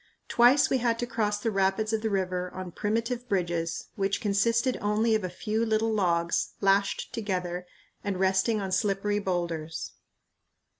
Twice we had to cross the rapids of the river on primitive bridges which consisted only of a few little logs lashed together and resting on slippery boulders.